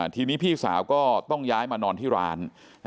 ทีนี้พี่สาวก็ต้องย้ายมานอนที่ร้าน